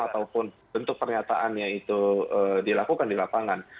ataupun bentuk pernyataannya itu dilakukan di lapangan